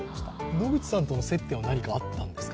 野口さんとの接点は何かあったんですか。